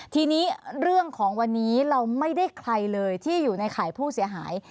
ทีนี้เรื่องของวันนี้เราไม่ได้ใครเลยที่อยู่ในข่ายผู้เสียหาย